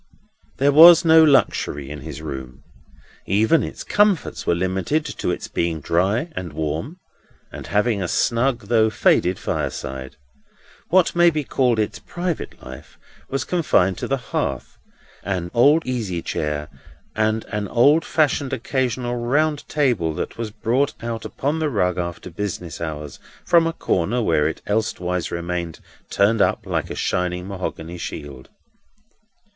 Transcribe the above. There was no luxury in his room. Even its comforts were limited to its being dry and warm, and having a snug though faded fireside. What may be called its private life was confined to the hearth, and an easy chair, and an old fashioned occasional round table that was brought out upon the rug after business hours, from a corner where it elsewise remained turned up like a shining mahogany shield.